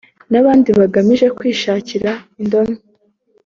n’abandi bagamije kwishakira indonke